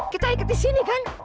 kita ikut di sini kan